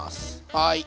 はい。